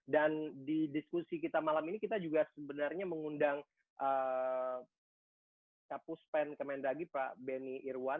dan di diskusi kita malam ini kita juga sebenarnya mengundang kapus pen kemendagi pak benny irwan